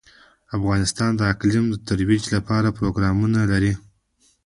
افغانستان د اقلیم د ترویج لپاره پروګرامونه لري.